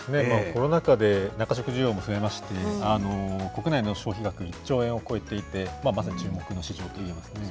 コロナ禍で中食需要も増えまして、国内の消費額１兆円を超えていて、まさにチューモク！の市場と言えますね。